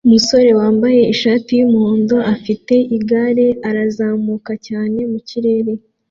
Umusore wambaye ishati yumuhondo ufite igare arazamuka cyane mukirere